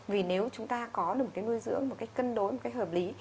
vì nếu chúng ta có được cái nuôi dưỡng một cái cân đối một cái hợp lý